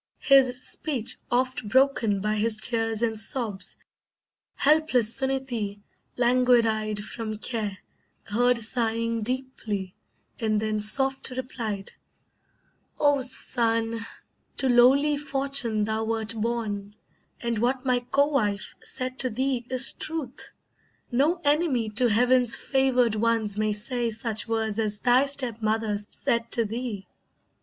His speech oft broken by his tears and sobs, Helpless Suneetee, languid eyed from care, Heard sighing deeply, and then soft replied: "Oh son, to lowly fortune thou wert born, And what my co wife said to thee is truth; No enemy to Heaven's favoured ones may say Such words as thy step mother said to thee.